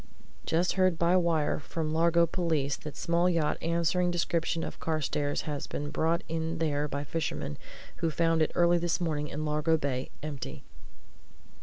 "Just heard by wire from Largo police that small yacht answering description of Carstairs' has been brought in there by fishermen who found it early this morning in Largo Bay, empty."